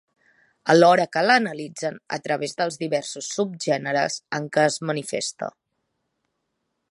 Alhora que l’analitzen a través dels diversos subgèneres en què es manifesta.